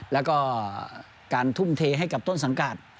แล้วก็การทุ่มเทให้กับต้นสังกัด